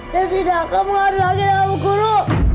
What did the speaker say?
dev tidak akan mengadu lagi sama bu guru